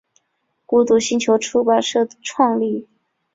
孤独星球出版社创立。